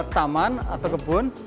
taman atau kebun